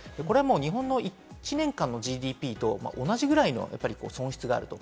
日本の１年間のＧＤＰと同じぐらいの損失があると。